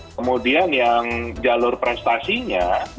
kemudian yang jalur prestasinya